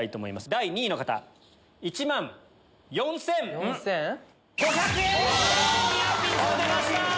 第２位の方１万４千５００円！ニアピン賞出ました！